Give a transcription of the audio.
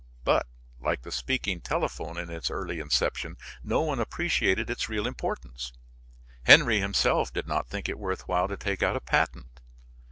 But, like the speaking telephone in its early inception, no one appreciated its real importance. Henry himself did not think it worth while to take out a patent.